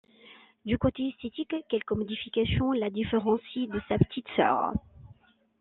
Du côté esthétique, quelques modifications la différencie de sa petite sœur.